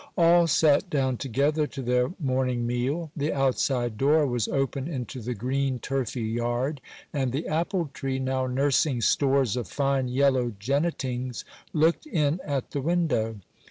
All sat down together to their morning meal. The outside door was open into the green, turfy yard, and the apple tree, now nursing stores of fine yellow jennetings, looked in at the window.